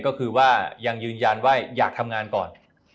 ก็คือว่ายังยืนยันว่าอยากทำงานก่อน